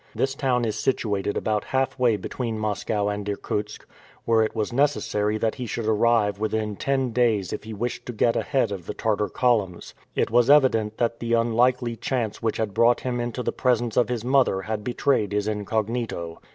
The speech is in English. This town is situated about halfway between Moscow and Irkutsk, where it was necessary that he should arrive within ten days if he wished to get ahead of the Tartar columns. It was evident that the unlucky chance which had brought him into the presence of his mother had betrayed his incognito.